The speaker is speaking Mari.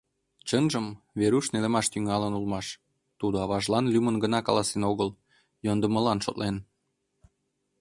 Чынжым, Веруш нелемаш тӱҥалын улмаш, тудо аважлан лӱмын гына каласен огыл, йӧндымылан шотлен.